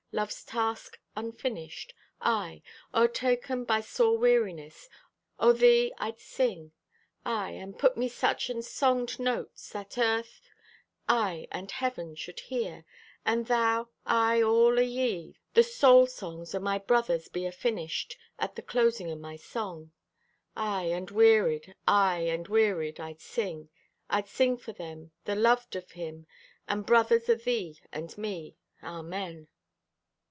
Love's task Unfinished, aye, o'ertaken by sore weariness— O' thee I'd sing. Aye, and put me such an songed note That earth, aye, and heaven, should hear; And thou, aye all o' ye, the soul songs O' my brothers, be afinished, At the closing o' my song. Aye, and wearied, aye and wearied, I'd sing. I'd sing for them, the loved o' Him, And brothers o' thee and me. Amen.